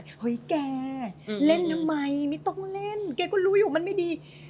เฮ้ยแกเล่นทำไมไม่ต้องเล่นแกก็รู้อยู่มันไม่ดี